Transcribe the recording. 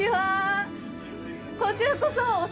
こちらこそ。